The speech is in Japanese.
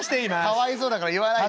「かわいそうだから言わないで」。